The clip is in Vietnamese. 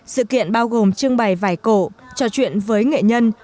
sự kiện bao gồm trưng bày vài cổ trò chuyện với nghệ nhân